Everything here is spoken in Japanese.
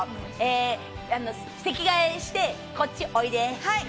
席替えして、こっちおいで。